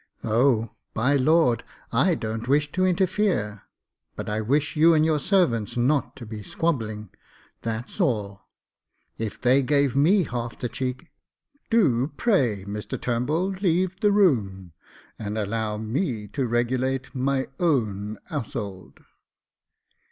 " Oh ! by the Lord, I don't wish to interfere ; but I wish you and your servants not to be squabbling, that's all. If they gave me half the cheeJi " "Do pray, Mr Turnbull, leave the room, and allow me to regulate my own 'owj Aold."